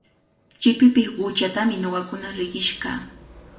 Chipipiq quchatami ñuqakuna riqish kaa.